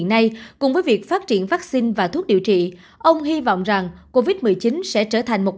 hiện nay cùng với việc phát triển vaccine và thuốc điều trị ông hy vọng rằng covid một mươi chín sẽ trở thành một